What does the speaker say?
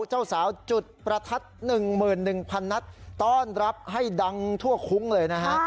เจ้าสาวจุดประทัด๑๑๐๐นัดต้อนรับให้ดังทั่วคุ้งเลยนะฮะ